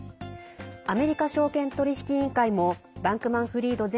アメリカ証券取引委員会もバンクマンフリード前